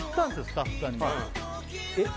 スタッフさんにえっ